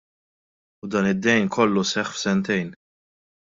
U dan id-dejn kollu seħħ f'sentejn.